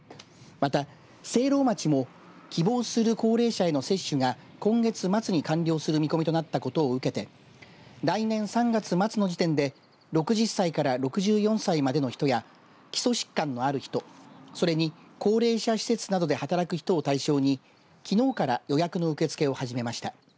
また、聖籠町も希望する高齢者への接種が今月末に完了する見込みとなったことを受けて来年３月末の時点で６０歳から６４歳までの人や基礎疾患のある人それに高齢者施設で働く人を対象に、きのうから予約の受け付けを始めました。